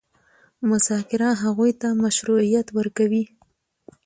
مذاکره هغوی ته مشروعیت ورکوي.